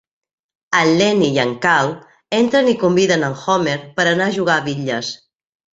En Lenny i en Carl entren i conviden en Homer per anar a jugar a bitlles.